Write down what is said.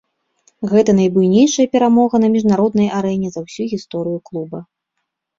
Гэта найбуйнейшая перамога на міжнароднай арэне за ўсю гісторыю клуба.